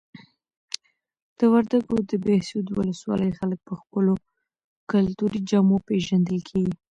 د وردګو د بهسود ولسوالۍ خلک په خپلو کلتوري جامو پیژندل کیږي.